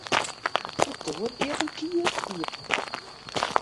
De doar gie op in kier iepen.